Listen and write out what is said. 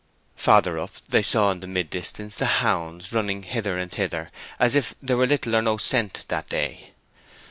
Farther up they saw in the mid distance the hounds running hither and thither, as if there were little or no scent that day.